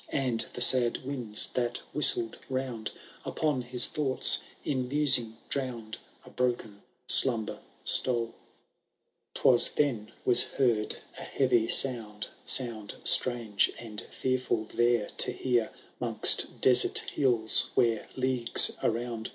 And the sad winds that whistled round. Upon his thoughts, in musing drown'd« A broken slumber stole. VI. ^TWka then was heard a heavy sound, (Sound, strange and fearful there to hear, *Hong8t desert hills, where, leagues around.